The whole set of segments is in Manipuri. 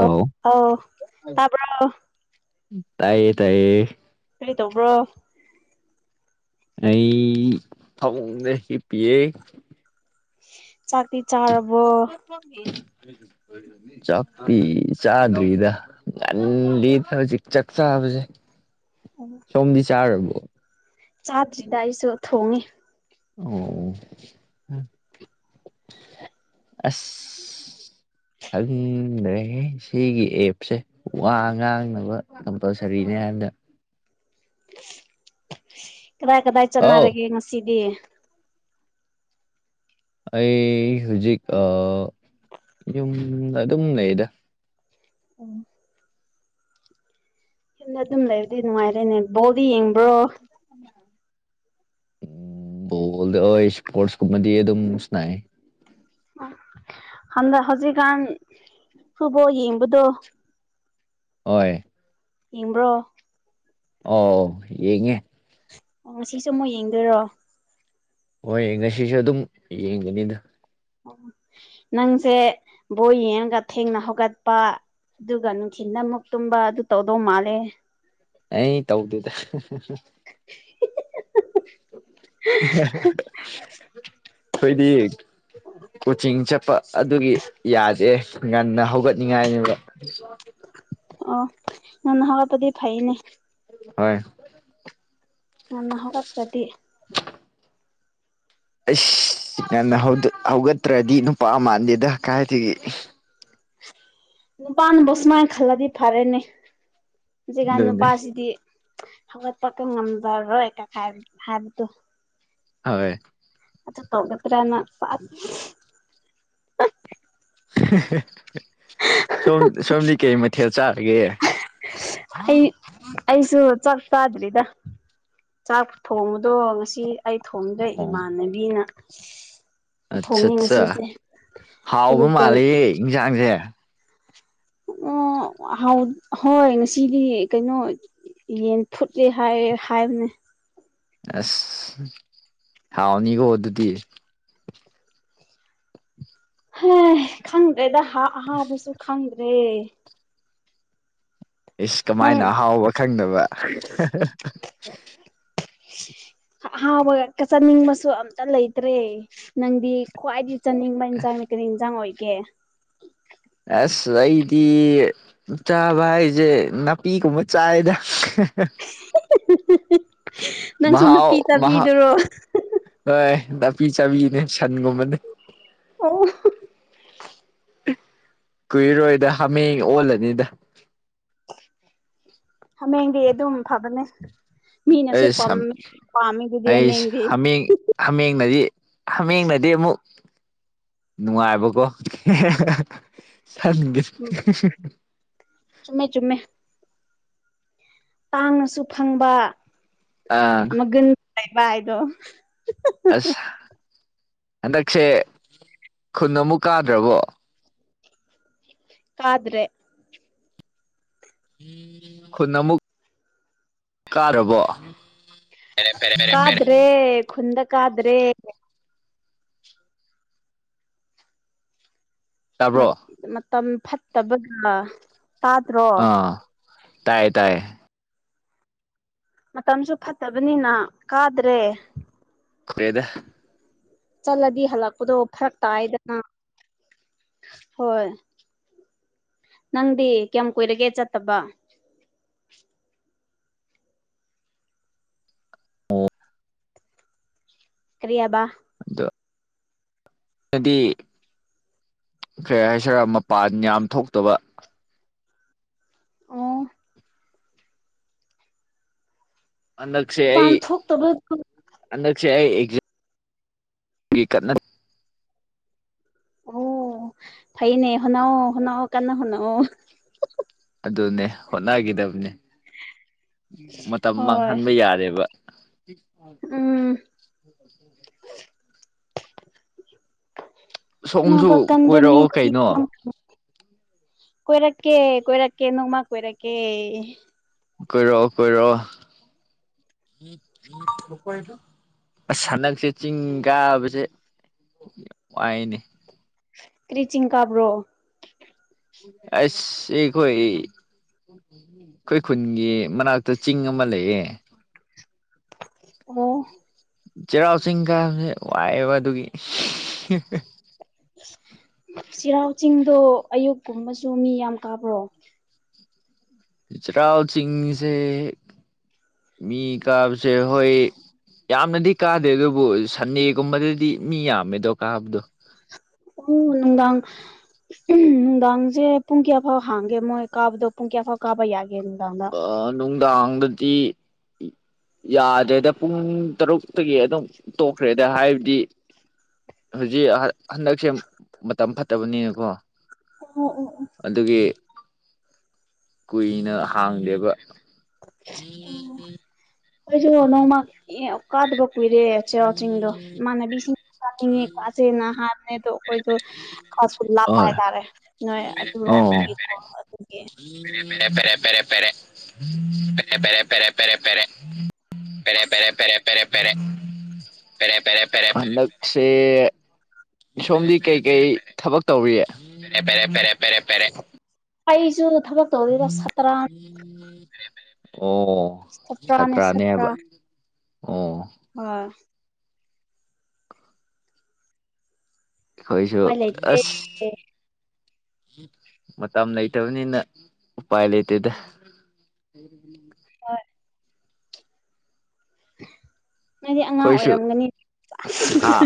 ꯑꯝ ꯑꯧ ꯇꯕꯔꯣ ꯇꯥꯏꯌꯦ ꯇꯥꯏꯌꯦ ꯀꯩ ꯇꯧꯕ꯭ꯔꯣ ꯑꯩ ꯐꯃꯨꯡꯗ ꯍꯤꯞꯄꯤꯌꯦ ꯆꯥꯛꯇꯤ ꯆꯥꯔꯕꯣ ꯆꯇꯤ ꯆꯥꯗ꯭ꯔꯤꯗ ꯉꯟꯂꯤꯗ ꯑꯧꯖꯤꯛ ꯆꯛꯆꯥ ꯕꯖꯦ ꯁꯣꯝꯗꯤ ꯆꯥꯔꯔꯕꯣ ꯆꯥꯗ꯭ꯔꯤꯗ ꯑꯩꯁꯨ ꯊꯣꯡꯉꯦ ꯑꯣ ꯑꯁ ꯈꯪꯗ꯭ꯔꯦꯍꯦ ꯁꯤꯒꯤ ꯑꯦꯞꯁꯦ ꯋꯥ ꯉꯥꯡꯅꯕ ꯀꯝꯄꯜꯁꯔꯤꯅꯦ ꯍꯦꯟꯗ ꯀꯗꯥꯏ ꯀꯗꯥꯏ ꯑꯧ ꯆꯠꯅꯔꯒꯦ ꯉꯁꯤꯗꯤ ꯑꯩ ꯍꯨꯖꯤꯛ ꯑ ꯌꯨꯝ ꯑꯗꯨꯝ ꯂꯩꯗ ꯍꯦꯟꯅ ꯑꯗꯨꯝ ꯂꯩꯔꯗꯤ ꯅꯨꯡꯉꯥꯏꯔꯦꯅꯦ ꯕꯣꯜꯗꯤ ꯌꯦꯡꯕ꯭ꯔꯣ ꯎ ꯎꯝ ꯕꯣꯜꯗ ꯍꯣꯏ ꯏꯁꯄꯣꯔꯠꯁꯀꯨꯝꯕꯗꯤ ꯑꯗꯨꯝ ꯁꯅ ꯍꯗ ꯍꯧꯖꯤꯛꯀꯥꯟ ꯊꯨꯕꯣ ꯌꯦꯡꯕꯗ ꯍꯣꯏ ꯏꯡꯕ꯭ꯔꯣ ꯑꯣ ꯌꯦꯉꯦ ꯑꯣ ꯁꯤꯁꯨ ꯑꯃꯨꯛ ꯌꯦꯡꯗꯣꯏꯔꯣ ꯍꯣꯏ ꯉꯁꯤꯁꯨ ꯑꯗꯨꯝ ꯌꯦꯡꯒꯅꯤꯗ ꯅꯪꯁꯦ ꯕꯣꯏ ꯌꯦꯡꯉꯒ ꯊꯦꯡꯅ ꯍꯧꯒꯠꯄ ꯑꯗꯨꯒ ꯅꯨꯡꯊꯤꯜꯅ ꯑꯃꯨꯛ ꯇꯨꯝꯕ ꯑꯗꯨ ꯇꯧꯗꯧ ꯃꯥꯜꯂꯦ ꯑꯩ ꯇꯧꯗꯗ [unintelligible] ꯀꯣꯏꯗꯤ ꯀꯣꯆꯤꯡ ꯆ ꯆꯄ ꯑꯗꯨꯒꯤ ꯌꯥꯗꯦ ꯉꯟꯅ ꯍꯧꯒꯠꯅꯤꯡꯉꯥꯏꯅꯤꯕ ꯅꯅ ꯍꯕ ꯄꯗꯤ ꯐꯥꯏꯅꯦ ꯍ ꯅ ꯍꯒ ꯆꯗꯤ [unintelligible] ꯑꯁ ꯉꯟꯅ ꯍꯧꯒꯠꯇ꯭ꯔꯗꯤ ꯅꯨꯄꯥ ꯃꯥꯟꯗꯦꯗ ꯀꯥꯏꯒꯦ ꯅꯨꯄꯥꯅꯕꯁꯃꯥꯏ ꯈꯂꯗꯤ ꯐꯥꯔꯦꯅꯦ ꯁꯤꯒꯥꯟ ꯑꯗꯨꯅꯤ ꯅꯨꯄꯥꯁꯤꯗꯤ ꯍꯋꯥꯠ ꯄꯀꯪ ꯉꯝꯗꯔ ꯔꯣꯀ ꯈ ꯍꯥꯏꯔꯗꯨ ꯍꯋꯦ ꯑ ꯇꯞꯀꯊ꯭ꯔꯅ ꯄꯥ ꯁꯣꯝ ꯁꯣꯝꯗꯤ ꯀꯩ ꯃꯊꯦꯜ ꯆꯥꯔꯒꯦ ꯑꯩ ꯑꯩꯁꯨ ꯆꯁꯔꯤꯗ ꯆꯥꯛ ꯊꯣꯡꯕꯗꯣ ꯉꯁꯤ ꯑꯩ ꯊꯣꯡꯗ꯭ꯔꯦ ꯑꯣ ꯏꯃꯥꯟꯅꯕꯤꯅ ꯑꯠꯆꯥ ꯊꯣꯡꯉꯦ ꯑꯠꯆꯥ ꯉꯁꯤꯁꯦ ꯍꯥꯎꯕ ꯑꯌꯨꯛꯇ ꯃꯥꯂꯦꯌꯦ ꯏꯟꯁꯥꯡꯁꯦ ꯑꯣ ꯍ ꯍꯣꯏ ꯉꯁꯤꯗꯤ ꯀꯩꯅꯣ ꯌꯦꯟ ꯐꯨꯠꯂꯤ ꯍꯥꯏꯔ ꯍꯥꯏꯕꯅꯦ ꯑꯁ ꯍꯥꯎꯅꯤꯀꯣ ꯑꯗꯨꯗꯤ ꯍ ꯈꯪꯗ꯭ꯔꯦꯗ ꯍꯥ ꯑꯍꯥꯎꯕꯁꯨ ꯈꯪꯗ꯭ꯔꯦ ꯏꯁ ꯅꯪ ꯀꯃꯥꯏꯅ ꯑꯍꯥꯎꯕ ꯈꯪꯗꯕ [unintelligible] ꯑꯍꯥꯎꯕ ꯆꯅꯤꯡꯕꯁꯨ ꯑꯝꯇ ꯂꯩꯇ꯭ꯔꯦ ꯅꯪꯗꯤ ꯈ꯭ꯋꯥꯏꯗꯤ ꯆꯥꯅꯤꯡꯕ ꯏꯟꯁꯥꯡꯅꯤ ꯀꯔꯤ ꯏꯟꯁꯥꯡ ꯑꯣꯏꯒꯦ ꯑꯁ ꯑꯩꯗꯤ ꯆꯥꯕ ꯍꯥꯏꯁꯦ ꯅꯥꯄꯤꯒꯨꯝꯕ ꯆꯥꯏꯗ [unintelligible] ꯅꯪꯁꯨ ꯅꯨꯄꯤ ꯃꯍꯥꯛꯥꯎ ꯆꯥꯕꯤꯗꯨꯔꯣ ꯍ ꯄꯤ ꯆꯥꯕꯤꯅꯦ ꯁꯟꯒꯨꯝꯕꯅꯦ ꯍ ꯀꯨꯏꯔꯣꯏꯗ ꯍꯥꯃꯦꯡ ꯑꯣꯜꯂꯅꯤꯗ ꯍꯥꯃꯦꯡꯗꯤ ꯑꯗꯨꯝ ꯐꯕꯅꯦ ꯃꯤꯅꯁꯨ ꯑꯩ ꯄꯥꯝꯃꯤ ꯄꯥꯝꯃꯤꯗꯨꯗꯤ ꯑꯩꯁ ꯍꯥꯃꯦꯡꯗꯤ ꯍꯥꯃꯦꯡ ꯍꯥꯃꯦꯡꯅꯗꯤ ꯍꯥꯃꯦꯡꯅꯗꯤ ꯑꯃꯨꯛ ꯅꯨꯡꯉꯥꯏꯕꯀꯣ ꯊꯒꯦ ꯎꯝ ꯆꯨꯝꯃꯦ ꯆꯨꯝꯃꯦ ꯇꯥꯡꯅꯁꯨ ꯐꯪꯕ ꯑꯥ ꯃꯒꯨꯟ ꯂꯩꯕ ꯍꯥꯏꯗꯣ ꯑꯁ ꯍꯟꯗꯛꯁꯦ ꯈꯨꯟ ꯑꯃꯨꯛ ꯀꯥꯗ꯭ꯔꯕꯣ ꯀꯥꯗ꯭ꯔꯦ ꯈꯨꯟ ꯑꯃꯨꯛ ꯀꯥꯔꯕꯣ ꯀꯥꯗ꯭ꯔꯦ ꯈꯨꯟꯗ ꯀꯥꯗ꯭ꯔꯦ ꯇꯥꯕ꯭ꯔꯣ ꯃꯠ ꯃꯇꯝ ꯐꯠꯇꯕꯒ ꯇꯥꯗ꯭ꯔꯣ ꯇꯥꯏ ꯇꯥꯌꯦ ꯃꯇꯝꯁꯨ ꯐꯠꯇꯕꯅꯤꯅ ꯀꯥꯗ꯭ꯔꯦ ꯈꯣꯌꯦꯗ ꯆꯠꯂꯗꯤ ꯍꯜꯂꯛꯄꯗꯣ ꯐꯔꯛ ꯇꯥꯏꯌꯦꯗꯅ ꯍꯣꯏ ꯅꯪꯗꯤ ꯀꯌꯥꯝ ꯀꯨꯏꯔꯒꯦ ꯆꯠꯇꯕ ꯑꯣ ꯀꯔꯤꯌꯥꯕ ꯑꯗꯣ ꯑꯥꯏꯗꯤ ꯀꯩ ꯍꯥꯏꯁꯤꯔ ꯃꯄꯥꯟ ꯌꯥꯝ ꯊꯣꯛꯇꯕ ꯑꯣ ꯑꯟꯗꯛꯁꯦ ꯃꯄꯥꯟ ꯑꯩ ꯊꯣꯛꯇꯕꯗꯣ ꯑꯟꯗꯛꯁꯦ ꯑꯩ ꯑꯦꯛꯖ ꯒꯤ ꯀꯟꯅ ꯑꯣ ꯐꯩꯅꯦ ꯍꯣꯅꯑꯣ ꯍꯣꯅꯑꯣ ꯀꯟꯅ ꯍꯣꯅꯑꯣ ꯑꯗꯨꯅꯦ ꯍꯣꯠꯅꯒꯤꯗꯕꯅꯦ ꯃꯇꯝ ꯍꯣꯏ ꯃꯥꯡꯍꯟꯕ ꯌꯥꯔꯦꯕ ꯎꯝ [inaudible] ꯁꯣꯝꯁꯨ ꯍꯣꯠꯅꯕ ꯀꯟꯕ ꯀꯣꯏꯔꯛꯑꯣ ꯃꯤꯗꯗꯤ ꯀꯩꯅꯣ ꯑꯗꯨꯝ ꯀꯣꯏꯔꯛꯀꯦ ꯀꯣꯏꯔꯛꯀꯦ ꯅꯣꯡꯃ ꯀꯣꯏꯔꯛꯀꯦ ꯀꯣꯏꯔꯣꯛꯑꯣ ꯀꯣꯏꯔꯣꯛꯑꯣ ꯑꯁ ꯍꯟꯗꯛꯁꯦ ꯆꯤꯡ ꯀꯥꯕꯁꯦ ꯋꯥꯏꯅꯦ ꯀ꯭ꯔꯤꯆꯤꯡ ꯀꯥꯕ꯭ꯔꯣ ꯑꯁ ꯁꯤꯈꯣꯏ ꯏ ꯈꯣꯏ ꯈꯨꯟꯒꯤ ꯃꯅꯥꯛꯇ ꯆꯤꯡ ꯑꯃ ꯂꯩꯌꯦ ꯑꯣ ꯆꯩꯔꯥꯎ ꯆꯤꯡ ꯀꯥꯕꯁꯦ ꯋꯥꯏꯑꯦꯕ ꯑꯗꯨꯒꯤ ꯆꯩꯔꯥꯎ ꯆꯤꯡꯗꯣ ꯑꯌꯨꯛꯀꯨꯝꯕꯁꯨ ꯃꯤ ꯌꯥꯝ ꯀꯥꯕ꯭ꯔꯣ ꯆꯔꯥꯎ ꯆꯁꯤꯡꯁꯦ ꯃꯤ ꯀꯥꯕꯁꯦ ꯍꯣꯏ ꯌꯥꯝꯅꯗꯤ ꯀꯥꯗꯦ ꯑꯗꯨꯕꯨ ꯁꯟꯗꯦꯒꯨꯝꯕꯗꯗꯤ ꯃꯤ ꯌꯥꯝꯃꯦꯗꯣ ꯀꯥꯕꯗꯣ ꯑꯣ ꯅꯨꯡꯗꯥꯡ ꯅꯨꯡꯗꯥꯡꯁꯦ ꯄꯨꯡ ꯀꯌꯥꯐꯥꯎ ꯍꯥꯡꯒꯦ ꯃꯣꯏ ꯀꯥꯕꯗꯣ ꯄꯨꯡ ꯀꯌꯥꯐꯥꯎ ꯀꯥꯕ ꯌꯥ ꯒꯦ ꯅꯨꯡꯗꯥꯡꯗ ꯗꯥꯥꯡꯗꯗꯤ ꯌꯥꯗ꯭ꯔꯦꯗ ꯄꯨꯡ ꯇꯔꯨꯛꯇꯒꯤ ꯑꯗꯨꯝ ꯇꯣꯛꯈ꯭ꯔꯦꯗ ꯍꯥꯏꯕꯗꯤ ꯍꯧꯖꯤꯛ ꯍꯥ ꯍꯟꯗꯛꯁꯦ ꯃꯇꯝ ꯐꯠꯇꯕꯅꯤꯅꯀꯣ ꯑꯣ ꯑꯣ ꯑꯣ ꯑꯗꯨꯒꯤ ꯀꯨꯏꯅ ꯍꯥꯡꯗꯦꯕ ꯍꯣꯏꯁꯨ ꯅꯣꯡꯃ ꯏ [unintelligible] ꯀꯗꯕ ꯀꯨꯏꯔꯦ ꯆꯩꯔꯥꯎ ꯆꯤꯡꯗꯣ ꯃꯥꯟꯅꯕꯤꯁꯤꯡ ꯀꯤꯅꯤꯡꯉꯦ ꯀꯥꯁꯦꯅ ꯍꯥ ꯅꯦꯗꯣ ꯑꯈꯣꯏꯗꯣ ꯈꯁꯨ ꯂꯥꯞꯄ ꯍꯣꯏ ꯍꯥꯏꯇꯥꯔꯦ ꯅꯣꯏ ꯑꯣ ꯑꯗꯨꯔꯣꯝꯒꯤꯀꯣ ꯑꯗꯨꯒꯤ ꯄꯦꯔꯦ ꯄꯦꯔꯦ ꯄꯦꯔꯦ ꯄꯦꯔꯦ ꯄꯦꯔꯦ ꯄꯦꯔꯦ ꯄꯦꯔꯦ ꯄꯦꯔꯦ ꯄꯦꯔꯦ ꯄꯦꯔꯦ ꯄꯦꯔꯦ ꯄꯦꯔꯦꯞ ꯄꯦꯔꯦ ꯄꯦꯔꯦ ꯄꯦꯔꯦ ꯄꯦꯔꯦ ꯍꯟꯗꯛꯁꯦ ꯁꯣꯝꯗꯤ ꯀꯩꯀꯩ ꯊꯕꯛ ꯇꯧꯔꯤꯌꯦ ꯄꯦꯔꯦ ꯄꯦꯔꯦ ꯄꯦꯔꯦ ꯄꯦꯔꯦ ꯄꯦꯔꯦ ꯑꯩꯁꯨ ꯊꯕꯛ ꯇꯧꯗꯤꯗ ꯁꯇꯔ꯭ꯟ ꯑꯣ ꯁꯥꯇ꯭ꯔꯥ ꯁꯥꯇ꯭ꯔꯥꯅꯦꯕ ꯑꯣ ꯍꯣꯏ ꯍꯣꯏꯁꯨꯣ ꯎꯄꯥꯏ ꯂꯩꯇꯦ ꯑꯁ ꯃꯇꯝ ꯂꯩꯇꯕꯅꯤꯅ ꯎꯄꯥꯏ ꯂꯩꯇꯦꯗ [inaudible] ꯅꯣꯏꯗꯤ ꯑꯉꯥꯡ ꯑꯩꯈꯣꯏꯁꯨ ꯑꯣꯏꯔꯝꯒꯅꯤ [inaudible] ꯑꯥ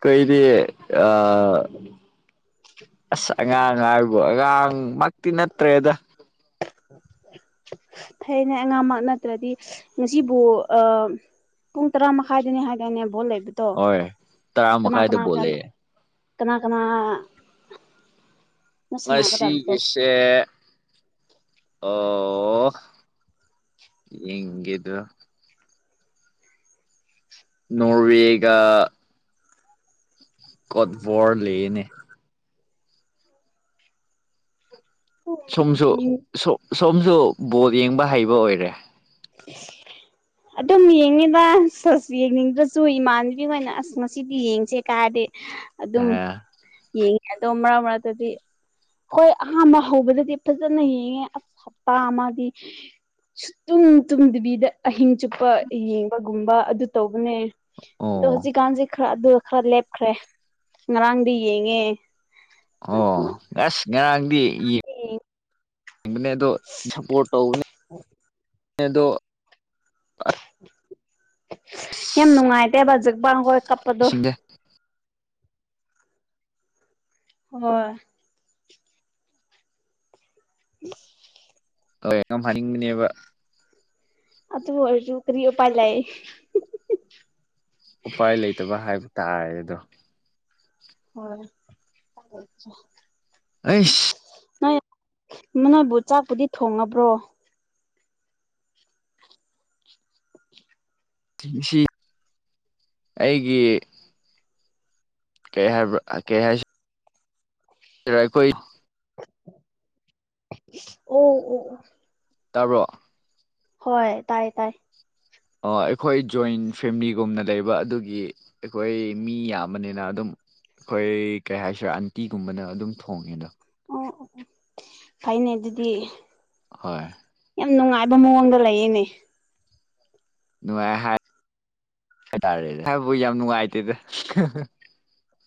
ꯀꯩ ꯁꯤ ꯑ ꯑꯁ ꯑꯉꯥꯡ ꯍꯥꯏꯕꯨꯣ ꯑꯉꯥꯡꯃꯛꯇꯤ ꯅꯠꯇ꯭ꯔꯦꯗ ꯐꯌꯦꯅꯦ ꯑꯉꯥꯡꯃꯛ ꯅꯠꯇ꯭ꯔꯗꯤ ꯉꯁꯤꯕꯨ ꯄꯨꯡ ꯇꯔꯥ ꯃꯈꯥꯏꯗꯅꯦ ꯍꯥꯏꯗꯅꯦ ꯚꯣꯠ ꯂꯩꯕꯗꯣ ꯍꯣꯏ ꯇꯔꯥ ꯀꯅꯥ ꯃꯈꯥꯏꯗ ꯀꯅꯥ ꯀ ꯕꯣꯜꯂꯛꯑꯦ ꯀꯅꯥ ꯀꯅꯥ ꯃꯁꯤ ꯁꯤꯒꯤꯁꯦ ꯑꯣ ꯑꯣ ꯌꯦꯦꯗꯣ ꯅꯣꯋꯒ ꯀꯠꯕꯣꯔ ꯂꯩꯦꯅꯦ ꯁꯣꯝꯁꯨꯝ ꯁꯣꯝꯁꯨ ꯕꯣ ꯌꯦꯡꯕ ꯍꯩꯕ ꯑꯣꯏꯔꯦ ꯑ ꯑꯗꯨꯝ ꯌꯦꯡꯉꯤꯗ ꯁꯁ ꯌꯦꯡꯅꯤꯡꯗ꯭ꯔꯁꯨ ꯏꯃꯥꯟꯅꯕꯤ ꯑꯣꯏꯅ ꯑꯁ ꯉꯁꯤꯗꯤ ꯌꯦꯡꯁꯦ ꯀꯥꯗꯤ ꯑꯗꯨꯝ ꯑꯦ ꯌꯦꯡꯉꯦ ꯑꯗꯣ ꯃꯔꯛ ꯃꯔꯛꯇꯗꯤ ꯍꯣꯏ ꯑꯍꯥꯝꯕ ꯍꯧꯕꯗꯗꯤ ꯐꯖꯅ ꯌꯦꯡꯉꯦ ꯑꯁ ꯍꯞꯇꯥ ꯑꯃꯗꯤ ꯇꯨꯝ ꯇꯨꯝꯗꯕꯤꯗ ꯑꯍꯤꯡ ꯆꯨꯞꯄ ꯌꯦꯡꯕꯒꯨꯝꯕ ꯑꯗꯨ ꯇꯧꯕꯅꯦ ꯑꯗꯣ ꯑꯣ ꯍꯧꯖꯤꯛꯀꯥꯟꯁꯦ ꯈꯔ ꯑꯗꯨꯒ ꯈꯔ ꯂꯦꯞꯈ꯭ꯔꯦ ꯉꯔꯥꯡꯗꯤ ꯌꯦꯡꯉꯦ ꯑꯣ ꯉꯁ ꯉꯪꯗꯤ ꯑꯦ ꯑꯅꯦꯗ ꯄ ꯇꯧ ꯑꯗ ꯌꯥꯝ ꯑꯁ ꯅꯨꯡꯉꯥꯏꯇꯦꯕꯖꯛꯕꯥꯈꯣꯏ ꯀꯞꯄꯗꯣ ꯏꯁꯤꯡꯁꯦ ꯍꯣꯏ ꯎꯝ ꯍꯣꯏꯉꯝ ꯍꯥꯏꯅꯤꯡꯕꯅꯦꯕ ꯑ ꯑꯗꯨ ꯍ ꯆ ꯀꯔꯤꯑꯣ ꯄꯂꯥꯏ ꯎꯄꯥꯏ ꯂꯩꯇꯕ ꯍꯥꯏꯕ ꯇꯥꯔꯦ ꯑꯗꯣ ꯍꯣꯏ ꯐꯦ ꯑꯦꯁ ꯅꯣꯏ ꯅꯣꯏꯕꯨ ꯆꯥꯛꯄꯨꯗꯤ ꯊꯣꯡꯉꯕ꯭ꯔꯣ ꯁꯤ ꯑꯩꯒꯤ ꯀꯩꯍꯦ ꯀꯦꯍꯦ ꯔꯄꯣꯏ ꯑꯣ ꯑꯣ ꯇꯥꯕ꯭ꯔꯣ ꯍꯣꯏ ꯇꯥꯏ ꯇꯥꯏ ꯑꯣ ꯑꯩꯈꯣꯏ ꯖꯣꯏꯟ ꯐꯦꯃꯤꯂꯤꯒꯨꯝꯅ ꯂꯩꯕ ꯑꯗꯨꯒꯤ ꯑꯩꯈꯣꯏ ꯃꯤ ꯌꯥꯝꯕꯅꯤꯅ ꯑꯗꯨꯝ ꯑꯩꯈꯣꯏ ꯀꯩ ꯍꯥꯏꯁꯤꯔꯦ ꯑꯟꯇꯤꯒꯨꯝꯕꯅ ꯑꯗꯨꯝ ꯊꯣꯡꯉꯦ ꯑꯗꯣ ꯑꯣ ꯑꯣ ꯐꯩꯅꯦ ꯑꯗꯨꯗꯤ ꯍꯣꯏ ꯌꯥꯝ ꯅꯨꯡꯉꯥꯏꯕ ꯃꯑꯣꯡꯗ ꯂꯩꯌꯦꯅꯦ ꯅꯨꯡꯉꯥꯏ ꯍꯥꯏ ꯍꯥꯏ ꯇꯔꯦ ꯍꯥꯏꯕꯨ ꯌꯥꯝ ꯅꯨꯡꯉꯥꯏꯇꯦꯗ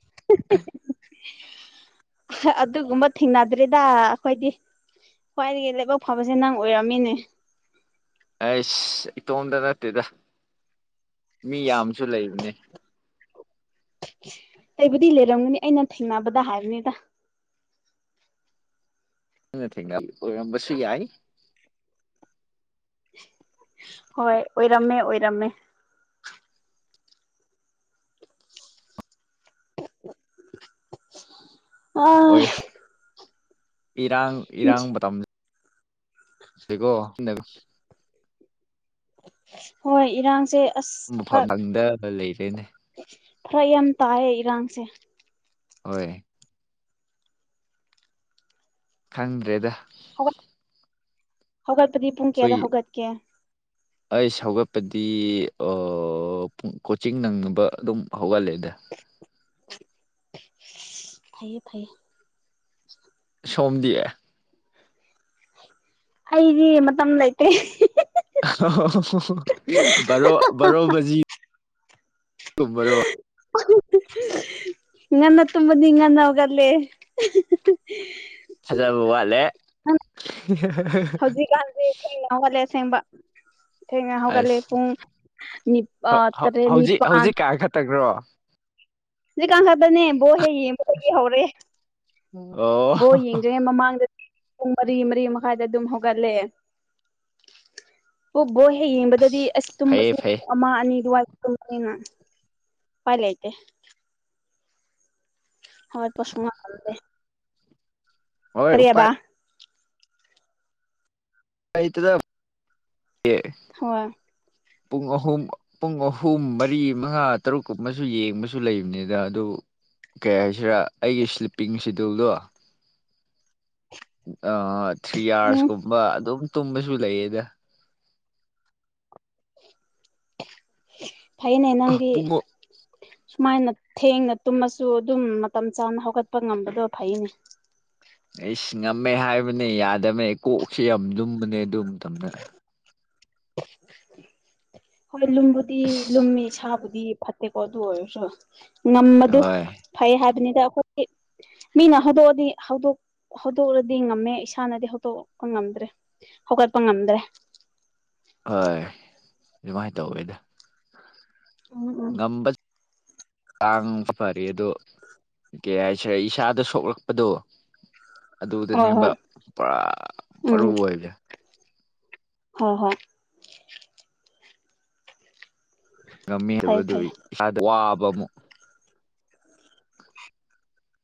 [inaudible] ꯑꯗꯨꯒꯨꯝꯕ ꯊꯦꯡꯅꯗ꯭ꯔꯔꯤꯗ ꯑꯩꯈꯣꯏꯗꯤ ꯈ꯭ꯋꯥꯏꯗꯒꯤ ꯂꯥꯏꯕꯛ ꯐꯕꯁꯦ ꯅꯪ ꯑꯣꯏꯔꯝꯃꯤꯅꯦ ꯑꯩꯁ ꯏꯇꯣꯝꯗ ꯅꯠꯇꯦꯗ ꯃꯤ ꯌꯥꯝꯁꯨ ꯂꯩꯕꯅꯦ ꯑꯩꯕꯨꯗꯤ ꯂꯩꯔꯝꯒꯅꯤ ꯑꯩꯅ ꯊꯦꯡꯅꯕꯗ ꯍꯥꯏꯕꯅꯤꯗ ꯊꯝꯁꯨ ꯌꯥꯏ ꯍꯣꯏ ꯑꯣꯏꯔꯝꯃꯦ ꯑꯣꯏꯔꯝꯃꯦ ꯑ ꯑꯣꯏ ꯏꯔꯥꯡ ꯏꯔꯥꯡ ꯃꯇꯝ ꯁꯤꯀꯣ ꯍꯣꯏ ꯏꯔꯥꯡꯁꯦ ꯃꯐꯝ ꯈꯪꯗ ꯂꯩꯔꯦꯅꯦ ꯈꯔ ꯌꯥꯝ ꯇꯥꯏꯌꯦ ꯏꯔꯥꯡꯁꯦ ꯍꯣꯏ ꯈꯪꯗ꯭ꯔꯦꯗ ꯍ ꯍꯒꯠꯄꯗꯤ ꯄꯨꯝ ꯑꯩꯈꯣꯏ ꯀꯦꯗ ꯍꯒꯠ ꯀꯦ ꯑꯩ ꯁꯧꯒꯠꯄꯗꯤꯨꯡ ꯀꯣꯆꯤꯡ ꯅꯪꯅꯕ ꯑꯗꯨꯝ ꯍꯧꯒꯠꯂꯦꯗ ꯐꯩꯌꯦ ꯐꯩꯌꯦ ꯁꯣꯝꯗꯤꯌꯦ ꯑꯩꯗꯤ ꯃꯝ ꯂ ꯂꯩꯇꯦ ꯔꯣ ꯔꯣꯕꯖꯤ ꯇꯨꯝ ꯃꯔꯔꯣ ꯉꯟꯅ ꯇꯨꯝꯕꯅꯤ ꯉꯟꯅ ꯍꯧꯒꯜꯂꯦ ꯁꯖꯕ ꯋꯥꯂꯦ ꯍꯧꯖꯤꯛ ꯋꯥꯂꯦ ꯁꯦꯝꯕ ꯊꯦꯉꯥ ꯍꯒꯦ ꯑꯁ ꯄꯨꯡꯅꯤꯄꯥ ꯍꯧ ꯍꯧ ꯇꯔꯦ ꯍꯧꯖꯤꯛ ꯅꯤꯄꯥꯥꯟ ꯍꯧꯖꯤꯛ ꯀꯥ ꯈꯛꯇꯪ꯭ꯔꯣ ꯁꯤ ꯀꯥꯡꯈꯠꯄꯅꯦꯕꯣ ꯍꯦꯛ ꯌꯦꯡꯕꯗꯒꯤ ꯍꯧꯔꯦ ꯑꯣ ꯕꯣ ꯌꯦꯡꯖꯔꯤꯉꯦ ꯃꯃꯥꯡꯗ ꯄꯨꯡ ꯃꯔꯤ ꯃꯔꯤ ꯃꯈꯥꯏ ꯑꯗꯨꯝ ꯍꯒꯂꯦ ꯎ ꯕꯣ ꯍꯦꯛ ꯌꯦꯡꯕꯗꯗꯤ ꯑꯁ ꯐꯩꯌꯦ ꯇꯨꯝꯕꯁꯨ ꯐꯩꯌꯦ ꯑꯃ ꯑꯅꯤꯗꯨꯋꯥꯏ ꯄꯂꯇꯦ ꯍꯣꯏ ꯄꯁꯅꯦ ꯍꯣꯏ ꯎꯄꯥꯏ ꯑꯩ ꯇꯗ ꯍ ꯄꯨꯡ ꯑꯍꯨꯝ ꯄꯨꯡ ꯑꯍꯨꯝ ꯃꯔꯤ ꯃꯉꯥ ꯇꯔꯨꯛꯀ ꯑꯃꯁꯨ ꯌꯦꯡꯕꯁꯨ ꯂꯩꯕꯅꯤꯗ ꯑꯗꯨ ꯀꯩ ꯍꯥꯏꯁꯤꯔꯥ ꯑꯩꯒꯤ ꯁ꯭ꯂꯤꯞꯄꯤꯡ ꯁꯦꯗꯨꯜꯗꯣ ꯑ ꯊ꯭ꯔꯤ ꯎꯝ ꯑꯔꯁꯀꯨꯝꯕ ꯑꯗꯨꯝ ꯇꯨꯝꯕꯁꯨ ꯂꯩꯌꯦꯗ ꯐꯥꯏꯅꯦꯩꯅꯒꯤ ꯄꯨꯡ ꯁꯨꯃꯥꯏꯅ ꯊꯦꯡꯅ ꯇꯨꯝꯃꯁꯨ ꯑꯗꯨꯝ ꯃꯇꯝ ꯆꯥꯅ ꯍꯧꯒꯠꯄ ꯉꯝꯕꯗꯣ ꯐꯩꯅꯦ ꯑꯩ ꯁꯤꯡꯉꯝꯃꯦ ꯍꯥꯏꯕꯅꯦ ꯌꯥꯗꯕꯅꯦ ꯀꯣꯛꯁꯤꯦ ꯌꯥꯝ ꯂꯨꯝꯕꯅꯦ ꯑꯗꯨ ꯃꯇꯝꯗ ꯍꯣꯏ ꯂꯨꯝꯕꯨꯗꯤ ꯑꯁ ꯂꯨꯝꯃꯤ ꯁꯥꯕꯨꯗꯤ ꯐꯠꯇꯦꯀꯣ ꯑꯗꯨ ꯑꯣꯏꯔꯁꯨ ꯉꯝꯕꯗꯨ ꯍꯣꯏ ꯐꯩ ꯍꯥꯏꯕꯅꯤꯗ ꯑꯩꯈꯣꯏꯒꯤ ꯃꯤꯅ ꯍꯧꯗꯣꯛꯑꯗꯤ ꯍꯧꯗꯣꯛ ꯍꯧꯠꯇꯣꯛꯂꯗꯤ ꯉꯝꯃꯦ ꯏꯁꯥꯅꯗꯤ ꯍꯧꯠꯇꯣꯛꯄ ꯉꯝꯗ꯭ꯔꯦ ꯍꯧꯒꯠꯄ ꯉꯝꯗ꯭ꯔꯦ ꯍꯣꯏ ꯑꯗꯨꯃꯥꯏꯅ ꯇꯧꯋꯦꯗ ꯎꯝ ꯎꯝ ꯉꯝꯕ ꯇꯥꯡꯁꯨ ꯐꯔ ꯑꯗꯣ ꯀꯩ ꯍꯥꯏꯁꯔꯦ ꯏꯁꯥꯗ ꯁꯣꯛꯂꯛꯄꯗꯣ ꯍꯣꯏ ꯑꯗꯨꯗꯅꯦꯕ ꯍꯣꯏ ꯄꯨꯔꯥ ꯎꯝ ꯃꯔꯨ ꯑꯣꯏꯕꯦ ꯍꯣꯏ ꯍꯣꯏ ꯉꯝꯃꯤ ꯐꯩ ꯍꯥꯏꯕꯗꯨ ꯐꯩ ꯏꯁꯥꯗ ꯋꯥꯕ ꯑꯃꯨꯛ